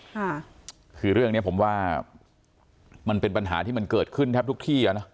ค่ะคือเรื่องเนี้ยผมว่ามันเป็นปัญหาที่มันเกิดขึ้นแทบทุกที่อ่ะนะ